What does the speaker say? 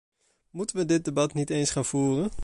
Moeten we dit debat niet eens gaan voeren?